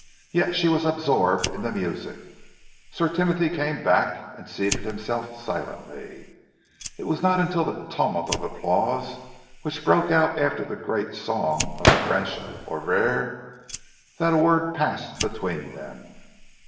Yet she was absorbed in the music.... Sir Timothy came back and seated himself silently. It was not until the tumult of applause which broke out after the great song of the French ouvrier, that a word passed between them.